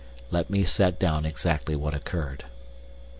Let me set down exactly what occurred.